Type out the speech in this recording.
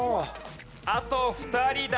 あと２人だ。